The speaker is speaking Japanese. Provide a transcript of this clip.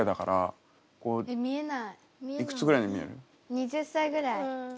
２０歳ぐらい。